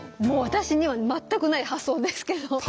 もう私には全くない発想ですけど。